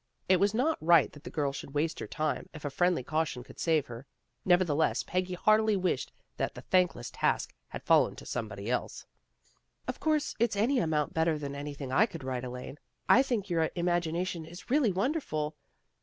It was not right that the girl should waste her time, if a friendly caution could save her. Nevertheless Peggy heartily wished that the thankless task had fallen to somebody else. " Of course it's any amount better than any thing I could write, Elaine. I think your im agination is really wonderful.